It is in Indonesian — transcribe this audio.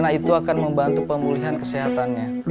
nah itu akan membantu pemulihan kesehatannya